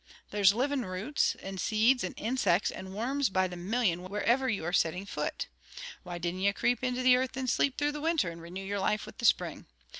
There's living roots, and seeds, and insects, and worms by the million wherever ye are setting foot. Why dinna ye creep into the earth and sleep through the winter, and renew your life with the spring?